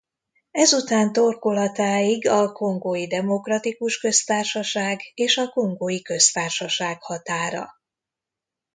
Ezután torkolatáig a Kongói Demokratikus Köztársaság és a Kongói Köztársaság határa.